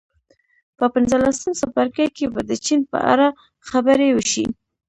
په پنځلسم څپرکي کې به د چین په اړه خبرې وشي